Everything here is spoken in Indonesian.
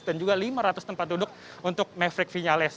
dan juga lima ratus tempat duduk untuk maverick vinales